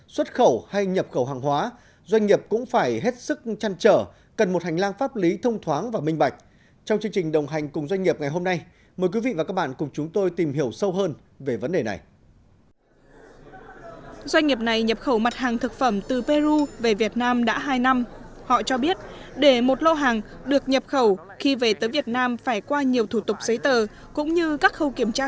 xin chào và hẹn gặp lại các bạn trong những video tiếp theo